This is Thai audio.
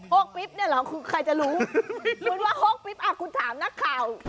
ปิ๊บเนี่ยเหรอคือใครจะรู้คุณว่าโฮกปิ๊บอ่ะคุณถามนักข่าว